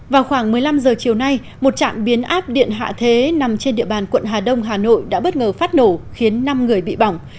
vào khoảng một mươi năm h chiều nay một trạm biến áp điện hạ thế nằm trên địa bàn quận hà đông hà nội đã bất ngờ phát nổ khiến năm người bị bỏng